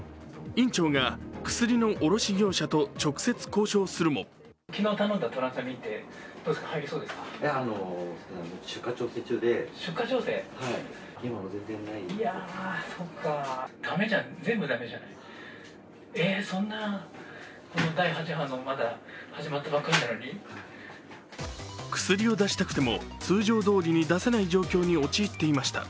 院長が薬の卸業者と直接交渉するも薬を出したくても通常どおりに出せない状況に陥っていました。